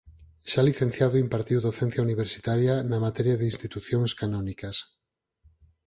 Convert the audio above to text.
Xa licenciado impartiu docencia universitaria na materia de Institucións Canónicas.